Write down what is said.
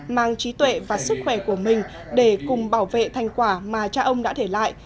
mang trí tuệ và sức khỏe của mình để cùng bảo vệ thành quả mà cha ông đã để lại